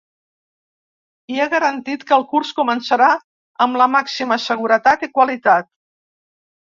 I ha garantit que el curs començarà amb ‘la màxima seguretat i qualitat’.